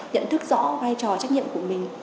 nhận thức rõ vai trò trách nhiệm của mình